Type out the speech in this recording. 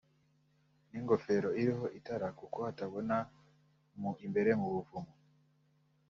n’ingofero iriho itara kuko hatabona mu imbere mu buvumo